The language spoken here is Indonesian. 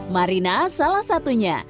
marina salah satunya